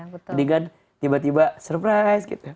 mendingan tiba tiba surprise gitu